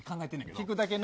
聞くだけな。